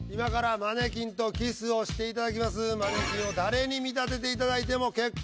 マネキンを誰に見立てていただいても結構。